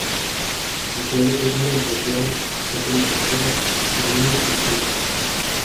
El cuello presenta impresiones, pequeñas esferas y líneas incisas.